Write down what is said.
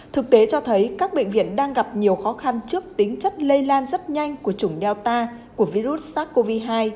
thực tế cho thấy các bệnh viện đang gặp nhiều khó khăn trước tính chất lây lan rất nhanh của chủng delta của virus sars cov hai